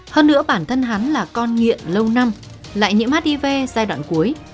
hơn nữa bản thân hắn là con nghiện lâu năm lại nhiễm hiv giai đoạn cuối